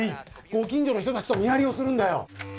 ご近所の人たちと見張りをするんだよ。